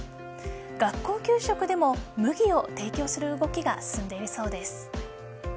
学校給食でも麦を提供する動きが進んでいるそうです。